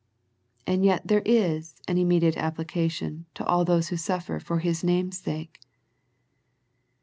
And yet there is an immediate application to all those who suffer for His name's sake.